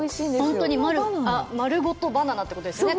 本当に丸ごとバナナってことですよね。